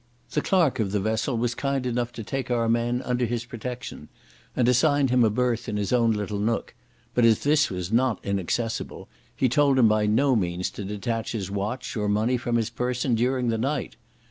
The clerk of the vessel was kind enough to take our man under his protection, and assigned him a berth in his own little nook; but as this was not inaccessible, he told him by no means to detach his watch or money from his person during the night.